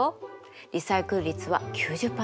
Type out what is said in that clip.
リサイクル率は９０％以上。